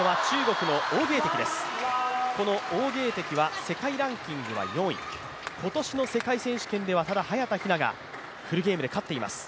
この王ゲイ迪は世界ランキングは４位、今年の世界選手権ではただ早田ひながフルゲームで勝っています。